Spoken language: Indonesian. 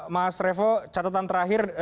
mas revo catatan terakhir